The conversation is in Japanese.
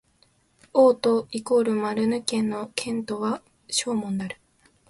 オート＝マルヌ県の県都はショーモンである